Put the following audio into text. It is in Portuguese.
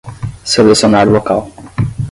Selecionar local